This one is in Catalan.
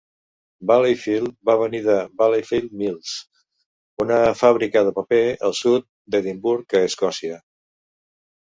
"Valleyfield" va venir de Valleyfield Mills, una fàbrica de paper al sud d'Edimburg a Escòcia.